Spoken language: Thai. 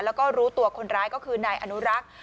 แล้วก็รู้ตัวคนร้ายก็คือนายอนุรักษ์